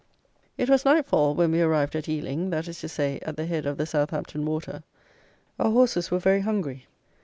It was night fall when we arrived at Eling, that is to say, at the head of the Southampton Water. Our horses were very hungry.